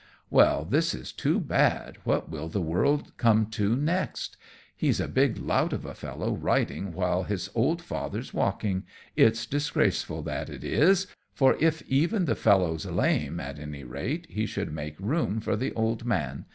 "Well, this is too bad; what will the world come to next? Here's a big lout of a fellow riding whilst his old father's walking. It's disgraceful, that it is, for if even the fellow's lame, at any rate he should make room for the old man.